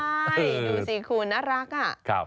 ใช่หนูสีคู่น่ารัก